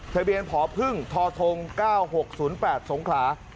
ทะเบียนผอพึ่งทท๙๖๐๘สงขลา